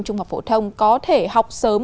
trung học phổ thông có thể học sớm